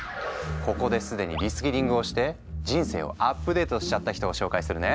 ここで既にリスキリングをして人生をアップデートしちゃった人を紹介するね。